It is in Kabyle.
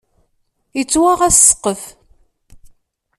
Yettwaɣ-as ssqef.